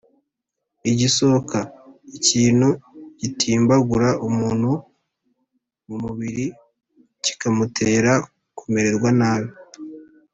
igisokȃ: ikintu gitimbagura umuntu mu mubiri kikamutera kumererwa nabi,